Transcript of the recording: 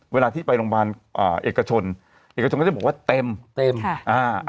เวลาที่ไปโรงพยาบาลอ่าเอกชนเอกชนก็จะบอกว่าเต็มเต็มค่ะอ่า